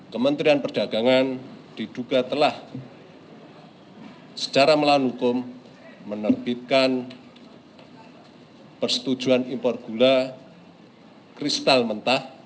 kementerian perdagangan diduga telah secara melawan hukum menerbitkan persetujuan impor gula kristal mentah